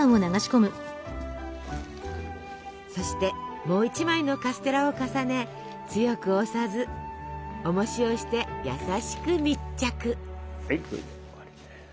そしてもう１枚のカステラを重ね強く押さずおもしをして優しく密着。